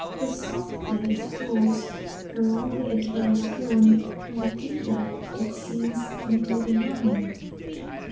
The softer it falls, the longer it dwells upon, and the deeper it sinks into, the mind.